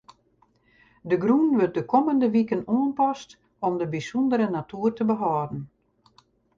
De grûn wurdt de kommende wiken oanpast om de bysûndere natoer te behâlden.